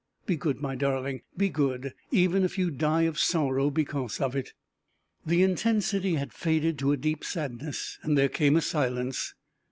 Be good, my darling, be good, even if you die of sorrow because of it." The intensity had faded to a deep sadness, and there came a silence.